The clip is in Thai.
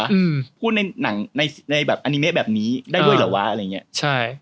อืมพูดในหนังในในแบบอานิเมะแบบนี้ได้ด้วยเหรอวะอะไรอย่างเงี้ยใช่